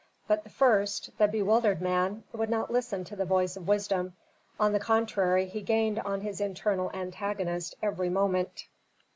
But the first, the bewildered man, would not listen to the voice of wisdom; on the contrary, he gained on his internal antagonist every moment.